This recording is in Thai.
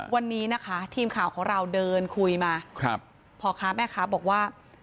วันนี้นะคะทีมข่าวของเราเดินคุยมาพ่อค้าแม่ค้าบอกว่า